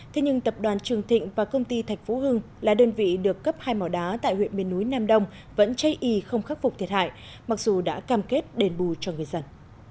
thế nhưng tập đoàn trường thịnh và công ty thạch phú hưng là đơn vị được cấp hai mỏ đá tại huyện miền núi nam đông vẫn chay y không khắc phục thiệt hại mặc dù đã cam kết đền bù cho người dân